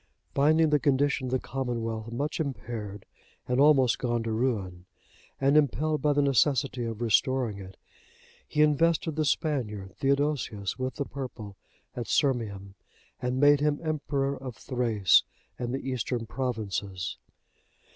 Finding the condition of the commonwealth much impaired, and almost gone to ruin, and impelled by the necessity of restoring it, he invested the Spaniard, Theodosius, with the purple at Sirmium, and made him emperor of Thrace and the Eastern provinces.